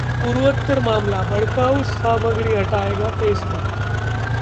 पूर्वोत्तर मामला: भड़काऊ सामग्री हटाएगा फेसबुक